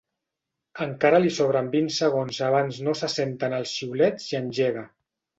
Encara li sobren vint segons abans no se senten els xiulets i engega.